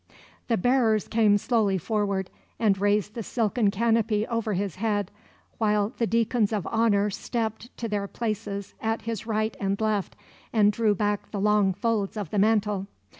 The bearers came slowly forward, and raised the silken canopy over his head, while the deacons of honour stepped to their places at his right and left and drew back the long folds of the mantle.